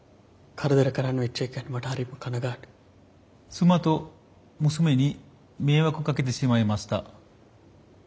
妻と娘に迷惑かけてしまいました。